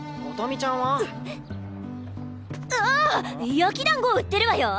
焼き団子売ってるわよ！